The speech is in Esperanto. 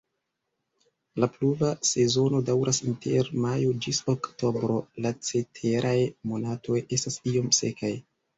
La pluva sezono daŭras inter majo ĝis oktobro, la ceteraj monatoj estas iom sekaj.